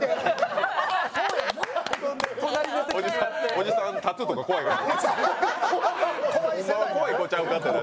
おじさんタトゥーとか怖いから。